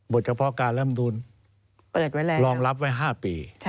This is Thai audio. บทเฉพาะการร่ำดูนรองรับไว้๕ปี